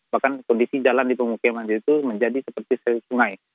bahkan kondisi jalan di pemukiman itu menjadi seperti sungai